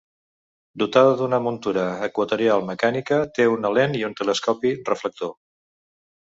Dotada d'una muntura equatorial mecànica, té una lent i un telescopi reflector.